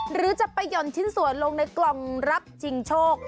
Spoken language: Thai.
หรือจะไปหย่อนชิ้นส่วนลงในกล่องรับชิงโชค